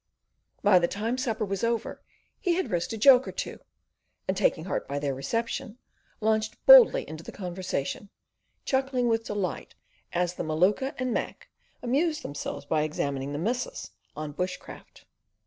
By the time supper was over he had risked a joke or two, and taking heart by their reception, launched boldly into the conversation, chuckling with delight as the Maluka and Mac amused themselves by examining the missus on bushcraft.